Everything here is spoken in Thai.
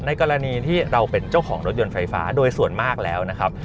กรณีที่เราเป็นเจ้าของรถยนต์ไฟฟ้าโดยส่วนมากแล้วนะครับ